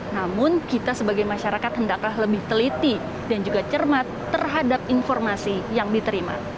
namun kita sebagai masyarakat hendaklah lebih teliti dan juga cermat terhadap informasi yang diterima